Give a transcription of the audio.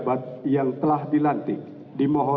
lagu kebangsaan indonesia raya